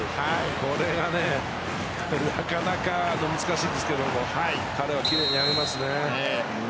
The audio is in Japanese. これがなかなか難しいですけども彼は奇麗に上げますね。